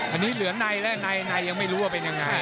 อันนี้เหลือในและในยังไม่รู้ว่าเป็นยังไง